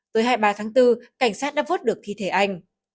tới hai mươi ba tháng bốn cảnh sát đã vớt được thi thể anh